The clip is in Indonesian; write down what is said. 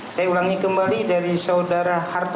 saya ulangi kembali dari saudara harto